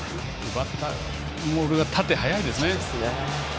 奪ったボール縦に速いですね。